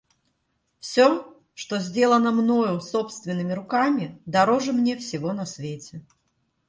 Всё, что сделано мною собственными руками, дороже мне всего на свете.